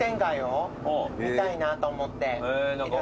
見たいなと思って色々。